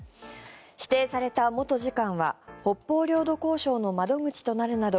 指定された元次官は北方領土交渉の窓口となるなど